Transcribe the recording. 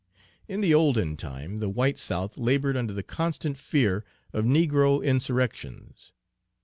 In the olden time the white South labored under the constant fear of negro insurrections.